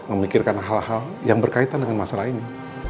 memikirkan hal hal yang berkaitan dengan masalah ini